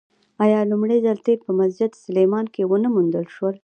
آیا لومړی ځل تیل په مسجد سلیمان کې ونه موندل شول؟